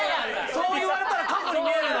そう言われたら「過去」に見えるな。